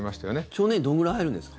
少年院どれくらい入るんですか？